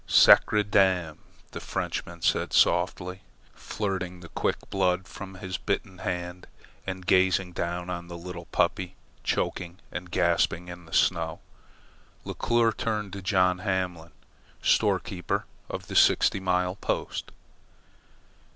"SACREDAM," the Frenchman said softly, flirting the quick blood from his bitten hand and gazing down on the little puppy choking and gasping in the snow. Leclere turned to John Hamlin, storekeeper of the Sixty Mile Post.